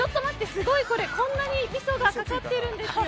すごいこれ、こんなにみそがかかってるんですよ！